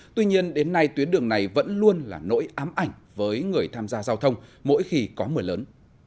tuy nhiên đến nay tuyến đường này vẫn luôn là nỗi ám ảnh với người tham gia giao thông mỗi khi có mưa lớn